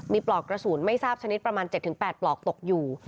มีปลอกกระสุนไม่ทราบชนิดประมาณ๗๘ปลอกตกอยู่